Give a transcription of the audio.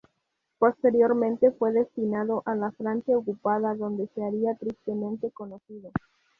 Posteriormente fue destinado a la Francia ocupada, donde se haría tristemente conocido.